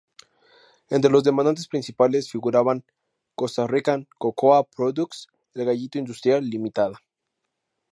Entre los demandantes principales figuraban: Costa Rican Cocoa Products, El Gallito Industrial Limitada.